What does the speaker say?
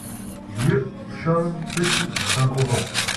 Vieux, chauve, petit, un gros ventre !